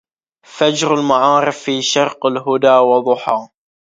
فجر المعارف في شرق الهدى وضحا